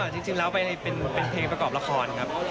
จริงแล้วไปเป็นเพลงประกอบละครครับ